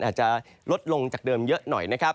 อาจจะลดลงจากเดิมเยอะหน่อย